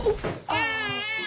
ああ。